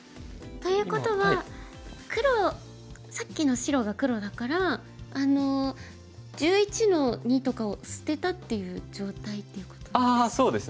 ということは黒さっきの白が黒だから１１の二とかを捨てたっていう状態っていう。